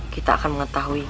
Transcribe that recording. kita akan mengetahui